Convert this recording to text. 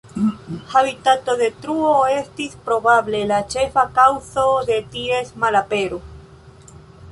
Habitatodetruo estis probable la ĉefa kaŭzo de ties malapero.